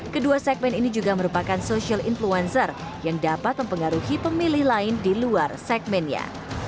kedua segmen ini juga merupakan social influencer yang dapat mempengaruhi pemilih lain di luar segmennya